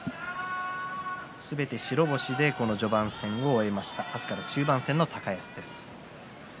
すべて白星で序盤戦を終えました明日から中盤戦の高安です。